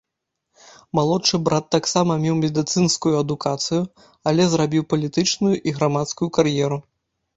Малодшы брат таксама меў медыцынскую адукацыю, але зрабіў палітычную і грамадскую кар'еру.